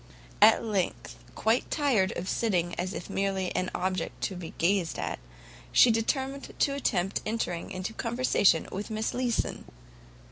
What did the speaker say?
At length, quite tired of sitting as if merely an object to be gazed at, she determined to attempt entering into conversation with Miss Leeson.